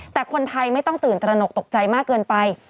แต่คนไทยไม่ต้องตื่นตระหนกตกใจมากเกินไป